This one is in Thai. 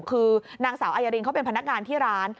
คือนางสาวอายรินเขาเป็นพนักงานที่ร้าน